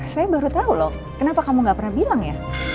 saya baru tahu loh kenapa kamu gak pernah bilang ya